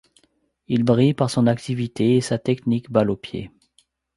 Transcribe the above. Il brille par son activité et sa technique balle au pied.